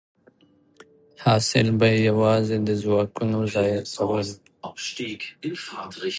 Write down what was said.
حاصل به یې یوازې د ځواکونو ضایع کول وي